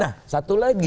nah satu lagi